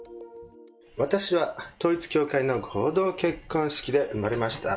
私は統一教会の合同結婚式で生まれました。